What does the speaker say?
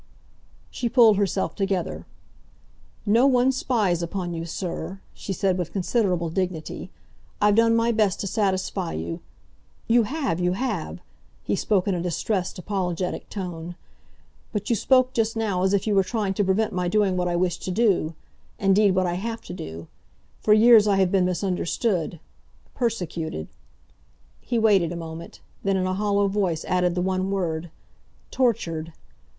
She pulled herself together. "No one spies upon you, sir," she said, with considerable dignity. "I've done my best to satisfy you—" "You have—you have!" he spoke in a distressed, apologetic tone. "But you spoke just now as if you were trying to prevent my doing what I wish to do—indeed, what I have to do. For years I have been misunderstood—persecuted"—he waited a moment, then in a hollow voice added the one word, "tortured!